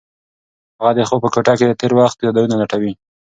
هغه د خوب په کوټه کې د تېر وخت یادونه لټوي.